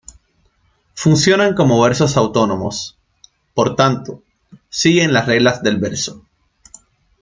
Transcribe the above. Funcionan como versos autónomos, por tanto, siguen las reglas del verso.